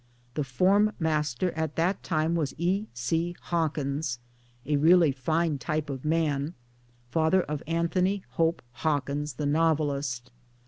The form master at that time was E. C. Hawkins a really fine type of man, father of Anthony Hope Hawkins the novelist.